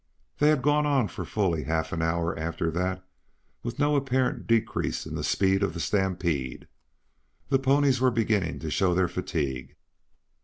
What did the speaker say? They had gone on for fully half an hour, after that, with no apparent decrease in the speed of the stampede. The ponies were beginning to show their fatigue.